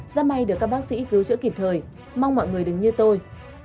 giá may được các bác sĩ cứu chữa kịp thời mong mọi người đừng như tôi